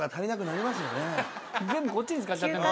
全部こっちに使っちゃってんだ。